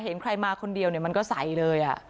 เห็นใครมาคนเดียวมันก็ใส่เลย